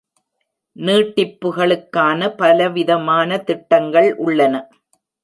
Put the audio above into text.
நீட்டிப்புகளுக்கான பலவிதமான திட்டங்கள் உள்ளன.